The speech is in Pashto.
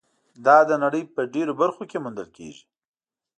دا د نړۍ په ډېرو برخو کې موندل کېږي.